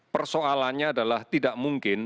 persoalannya adalah tidak mungkin